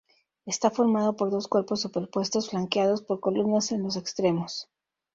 Está formado por dos cuerpos superpuestos, flanqueados por columnas en los extremos.